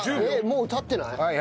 もう経ってない？